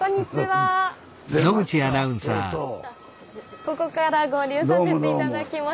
ここから合流させて頂きます。